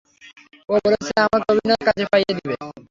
ও বলেছে আমাকে অভিনয়ে কাজ পাইয়ে দিবে।